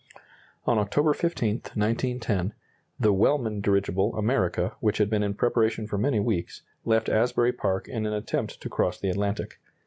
On October 15, 1910, the Wellman dirigible "America" which had been in preparation for many weeks, left Asbury Park in an attempt to cross the Atlantic.